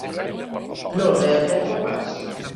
No readmetre pas.